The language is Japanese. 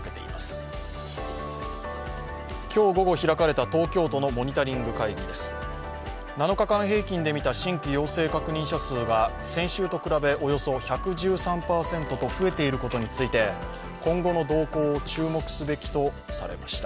７日間平均で見た新規陽性確認者数が先週と比べ、およそ１１３％と増えていることについて今後の動向を注目すべきとされました。